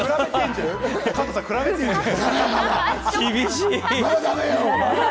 厳しい！